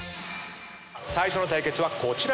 最初の対決はこちらです。